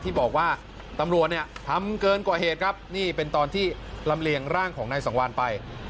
ที่บอกว่าตำรวจเนี่ยทำเกินกว่าเหตุครับนี่เป็นตอนที่ลำเลียงร่างของนายสังวานไป